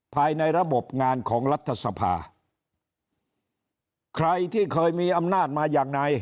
ภายในระบบงานของรัฐสภาใครที่เคยมีอำนาจมาอย่างใน